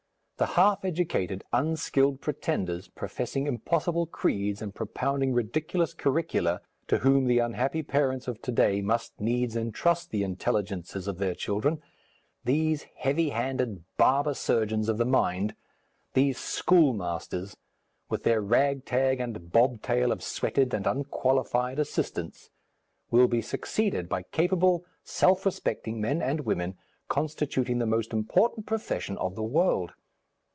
The half educated, unskilled pretenders, professing impossible creeds and propounding ridiculous curricula, to whom the unhappy parents of to day must needs entrust the intelligences of their children; these heavy handed barber surgeons of the mind, these schoolmasters, with their ragtag and bobtail of sweated and unqualified assistants, will be succeeded by capable, self respecting men and women, constituting the most important profession of the world.